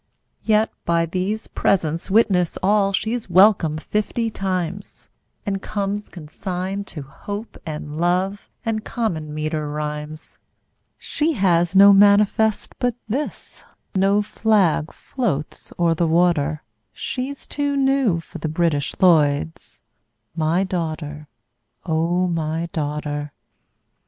Yet by these presents witness all She's welcome fifty times, And comes consigned to Hope and Love And common meter rhymes. She has no manifest but this, No flag floats o'er the water, She's too new for the British Lloyds My daughter, O my daughter!